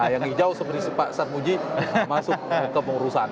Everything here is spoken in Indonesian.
yang hijau seperti pak sarmuji masuk ke pengurusan